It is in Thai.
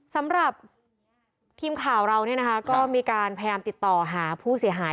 สำหรับทีมข่าวเราก็มีการพยายามติดต่อหาผู้เสียหาย